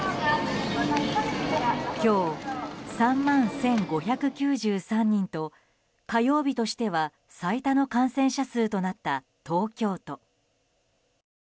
今日３万１５９３人と火曜日としては最多の感染者数となった東京都。